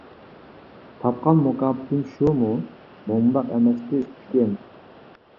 تاپقان مۇكاپاتىم شۇمۇ، مۇنداق ئەمەستى ئىستىكىم.